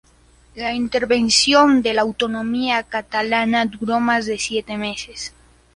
La intervención de la autonomía catalana duró más de siete meses.